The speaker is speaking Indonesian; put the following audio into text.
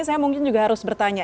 saya mungkin juga harus bertanya